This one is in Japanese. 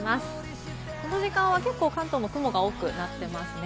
この時間は結構、関東の雲が多くなっていますね。